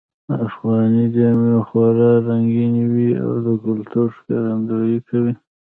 افغانۍ جامې خورا رنګینی وی او د کلتور ښکارندویې کوی